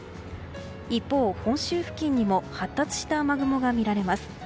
一方、本州付近にも発達した雨雲が見られます。